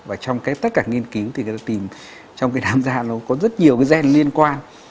và trong tất cả nghiên cứu thì người ta tìm trong cái nám da nó có rất nhiều cái gen liên quan